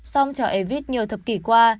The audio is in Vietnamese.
song cho evis nhiều thập kỷ qua